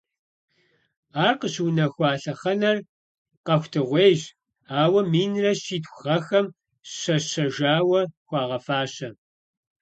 Ар къыщыунэхуа лъэхъэнэр къэхутэгъуейщ, ауэ минрэ щитху гъэхэм щэщэжауэ хуагъэфащэ.